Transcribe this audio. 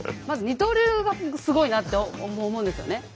まず二刀流がすごいなって思うんですよね。